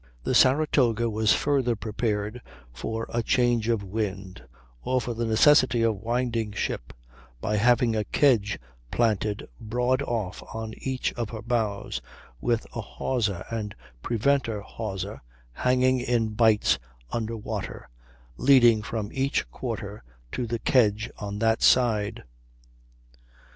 The _Saratoga _was further prepared for a change of wind, or for the necessity of winding ship, by having a kedge planted broad off on each of her bows, with a hawser and preventer hawser (hanging in bights under water) leading from each quarter to the kedge on that side.